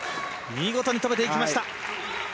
見事に止めていきました。